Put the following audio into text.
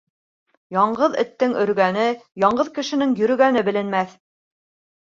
Яңғыҙ эттең өргәне, яңғыҙ кешенең йөрөгәне беленмәҫ.